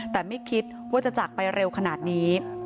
แต่ไม่คิดว่าจะจากไปเร็วขนาดนี้